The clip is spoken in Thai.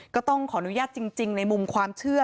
ก็ต้องขออนุญาตจริงในมุมความเชื่อ